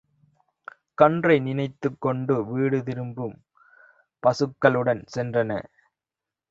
கன்றை நினைத்துக் கொண்டு விடுதிரும்பும் பசுக்கள் உடன் சென்றன.